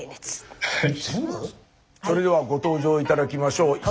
それではご登場頂きましょう。